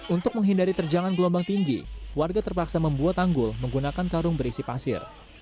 untuk menghindari terjangan gelombang tinggi warga terpaksa membuat tanggul menggunakan karung berisi pasir